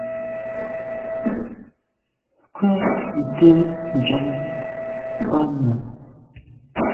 Nkù nde njam ba nyàm.